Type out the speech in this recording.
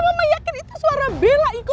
mama yakin itu suara bella gitu kan